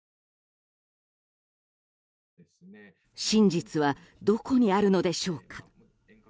真実はどこにあるのでしょうか。